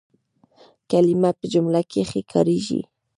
کلیمه په جمله کښي کارېږي.